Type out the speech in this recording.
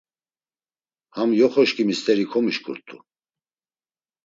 Ham, yoxoşǩimi st̆eri komişǩurt̆u.